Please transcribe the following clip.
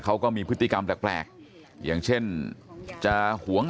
เขาก็มีพฤติกรรมแปลกอย่างเช่นจะหวง